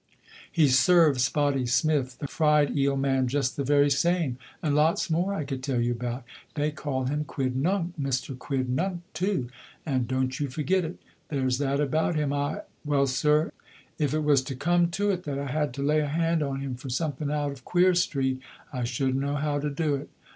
"He served Spotty Smith the fried eel man just the very same, and lots more I could tell you about. They call him Quidnunc Mister Quidnunc, too, and don't you forget it. There's that about him I well, sir, if it was to come to it that I had to lay a hand on him for something out of Queer Street I shouldn't know how to do it.